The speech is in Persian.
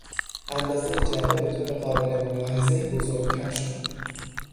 اندازهی جعبه به طور قابل ملاحظهای بزرگتر شد.